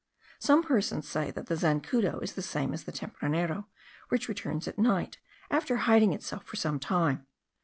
Some persons say, that the zancudo is the same as the tempranero, which returns at night, after hiding itself for some time.